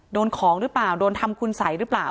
โดนของหรือเปล่าโดนทำคุณสัยหรือเปล่า